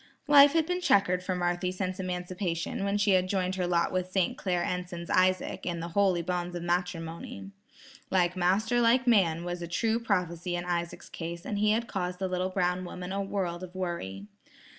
Life had been checkered for Marthy since emancipation when she had joined her lot with St.Clair Enson's Isaac, in the "holy bonds of matrimony." "Like master like man," was a true prophecy in Isaac's case, and had caused the little brown woman a world of worry.